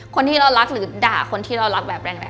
คนที่เรารักหรือด่าคนที่เรารักแบบแรง